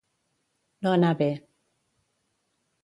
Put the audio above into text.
No anar bé.